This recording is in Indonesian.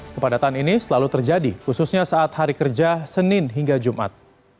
kepadatan ini selalu terjadi khususnya saat hari kerja senin hingga jumat